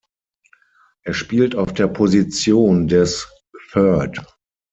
Er spielt auf der Position des "Third".